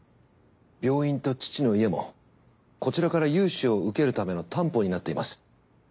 病院と父の家もこちらから融資を受けるための担保になっています。